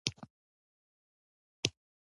خټکی له شاتو سره هم خوړل کېږي.